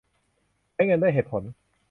ใช้เงินด้วยเหตุผล